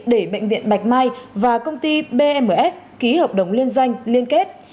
để bệnh viện bạch mai và công ty bms ký hợp đồng liên doanh liên kết